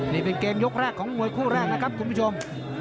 นี่เป็นเกมยกแรกของมวยคู่แรกนะครับคุณผู้ชม